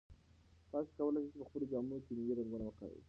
تاسي کولای شئ په خپلو جامو کې ملي رنګونه وکاروئ.